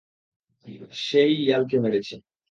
সে-ই ইয়ালকে মেরেছে।